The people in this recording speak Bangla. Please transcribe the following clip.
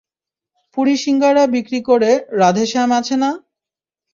পুরি সিংগারা বিক্রি করে রাধেশ্যাম আছে না?